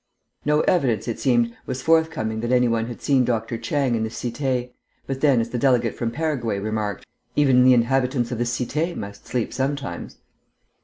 No evidence, it seemed, was forthcoming that any one had seen Dr. Chang in the cité, but then, as the delegate from Paraguay remarked, even the inhabitants of the cité must sleep sometimes.